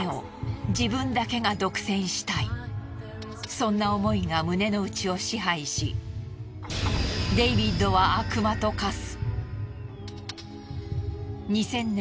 そんな思いが胸のうちを支配しデイビッドは悪魔と化す。